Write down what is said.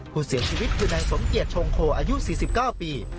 ผู้เสียชีวิตคือนายสมเกียจชงโคอายุ๔๙ปี